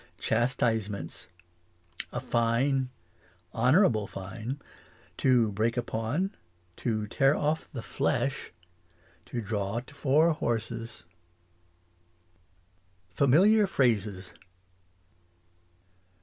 Chastisements. A fine Honourable fine To break upon To tear off the flesh To draw to four horses. English as she is spoke. 17 Familiar Phrases.